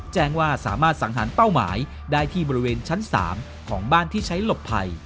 แจ้งว่าสามารถสังหารเป้าหมายได้ที่บริเวณชั้น๓ของบ้านที่ใช้หลบภัย